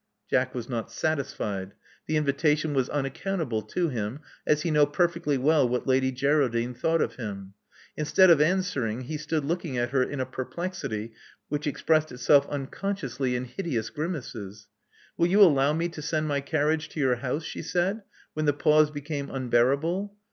Jack was not satisfied : the invitation was unaccount able to him, as he knew perfectly well what Lady Geraldine thought of him. Instead of answering, he stood looking at her in a perplexity which expressed itself unconsciously in hideous grimaces. Will you allow me to send my carriage to your house," she said, when the pause became unbearable.